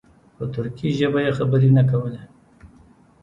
په ترکي ژبه یې خبرې نه کولې.